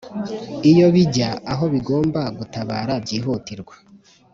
iyo bijya aho bigomba gutabara byihutirwa